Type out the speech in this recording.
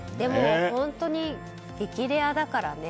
本当に激レアだからね